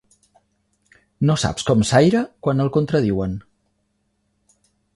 No saps com s'aïra quan el contradiuen.